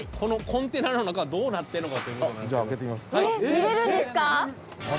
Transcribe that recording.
見れるんですか？